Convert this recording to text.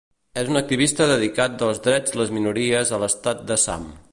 És un activista dedicat dels drets les minories a l'estat d'Assam.